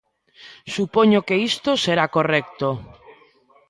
Supoño que isto será correcto.